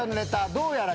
どうやら。